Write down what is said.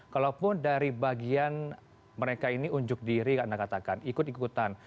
kalaupun dari bagian mereka ini unjuk diri anda katakan ikut ikutan